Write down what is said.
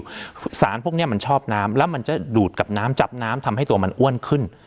เพราะสารพวกนี้มันชอบน้ำแล้วมันจะดูดกับน้ำจับน้ำทำให้ตัวมันอ้วนขึ้น